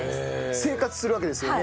生活するわけですよね。